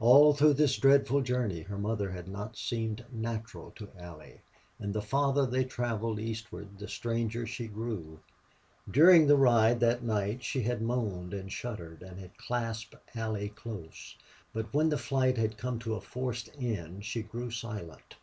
All through this dreadful journey her mother had not seemed natural to Allie, and the farther they traveled eastward the stranger she grew. During the ride that night she had moaned and shuddered, and had clasped Allie close; but when the flight had come to a forced end she grew silent.